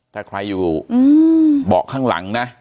ถ้าใครอยู่เบาะข้างหลังนะ